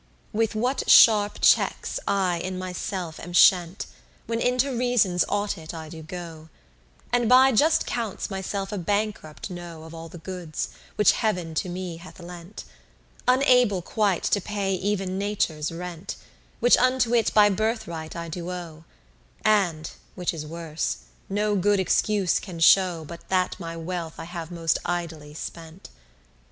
18 With what sharp checks I in myself am shent, When into Reason's audit I do go: And by just counts myself a bankrupt know Of all the goods, which heav'n to me hath lent: Unable quite to pay even Nature's rent, Which unto it by birthright I do owe: And, which is worse, no good excuse can show, But that my wealth I have most idly spend.